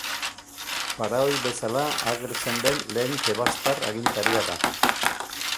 Faraoi bezala agertzen den lehen Tebastar agintaria da.